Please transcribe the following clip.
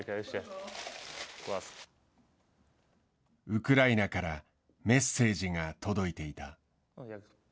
ウクライナからメッセージが届いていた。